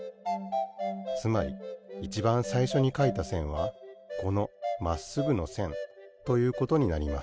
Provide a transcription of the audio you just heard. つまりいちばんさいしょにかいたせんはこのまっすぐのせんということになります。